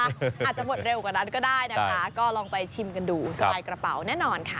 อาจจะหมดเร็วกว่านั้นก็ได้นะคะก็ลองไปชิมกันดูสบายกระเป๋าแน่นอนค่ะ